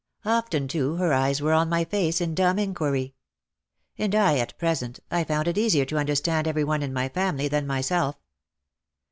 Often too her eyes were on my face in dumb inquiry. And I, at present, I found it easier to understand every one in my family than myself.